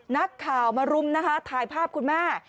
นักข่าวมารุมนะคะถ่ายภาพคุณแม่